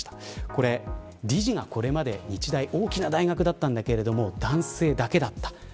これ理事がこれまで日大大きな大学だったんだけれども男性だけだった。